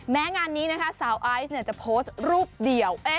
งานนี้นะคะสาวไอซ์จะโพสต์รูปเดียว